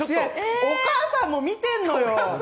お母さんも見てるのよ。